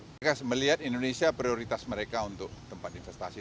mereka melihat indonesia prioritas mereka untuk tempat investasi